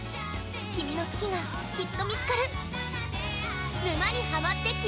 君の好きが、きっと見つかる。